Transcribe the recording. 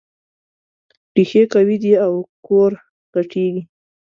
ريښې قوي دي او کور غټېږي.